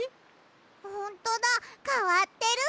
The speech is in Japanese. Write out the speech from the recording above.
ほんとだかわってる。